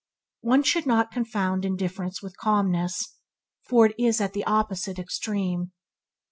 One should not confound indifference with calmness, for it is at the opposite extreme.